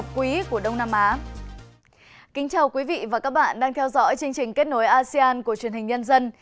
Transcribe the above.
kính quý vị và các bạn đang theo dõi chương trình kết nối asean của truyền hình nhân dân